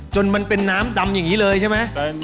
มันเป็นน้ำดำอย่างนี้เลยใช่ไหม